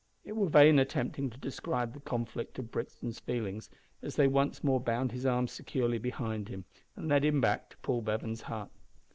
It were vain attempting to describe the conflict of Brixton's feelings as they once more bound his arms securely behind him and led him back to Paul Bevan's hut.